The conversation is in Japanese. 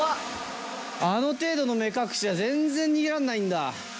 あの程度の目隠しじゃ、全然逃げられないんだ。